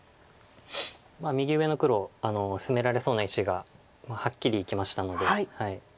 右上の黒攻められそうな石がはっきり生きましたので。